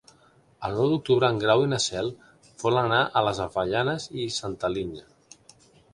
El nou d'octubre en Grau i na Cel volen anar a les Avellanes i Santa Linya.